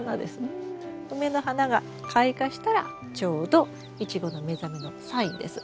梅の花が開花したらちょうどイチゴの目覚めのサインです。